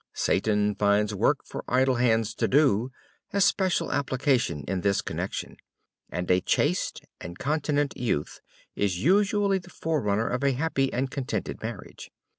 "Satan finds work for idle hands to do," has special application in this connection, and a chaste and continent youth is usually the forerunner of a happy and contented marriage.